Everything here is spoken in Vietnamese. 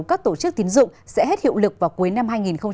các tổ chức tiến dụng sẽ hết hiệu lực vào cuối năm hai nghìn hai mươi ba